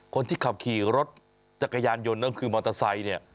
คนที่ขับขี่รถจักรยานยนต์นั่นคือมอเตอร์ไซต์